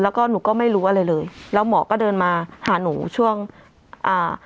แล้วก็หนูก็ไม่รู้อะไรเลยแล้วหมอก็เดินมาหาหนูช่วงอ่า